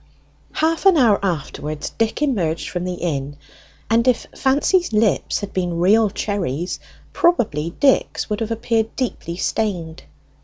Half an hour afterwards Dick emerged from the inn, and if Fancy's lips had been real cherries probably Dick's would have appeared deeply stained.